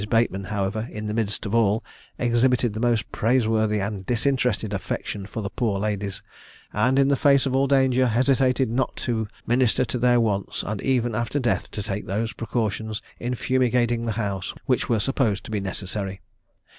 Bateman, however, in the midst of all, exhibited the most praiseworthy and disinterested affection for the poor ladies, and in the face of all danger, hesitated not to minister to their wants, and even after death to take those precautions, in fumigating the house, which were supposed to be necessary.